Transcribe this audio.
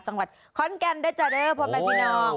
จังหวัดขอนแก่นได้จ่ะเด้อพบกับพี่น้อง